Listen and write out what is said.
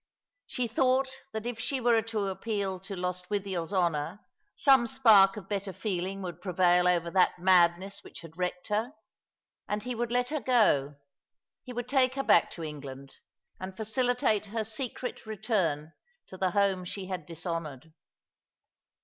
She thought that if she were to appeal to Lostwithiel's honour some spark of better feeling would prevail over that madness which had wrecked her, and he would let her go, he would take her back to England, and facilitate her secret return to the home she had dishonoured.